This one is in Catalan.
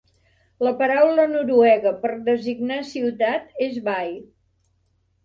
La paraula noruega per designar "ciutat" és "by".